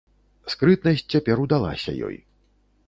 Скрытнасць цяпер удалася ёй.